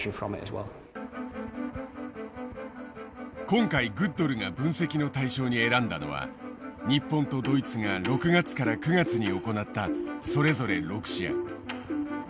今回グッドルが分析の対象に選んだのは日本とドイツが６月から９月に行ったそれぞれ６試合。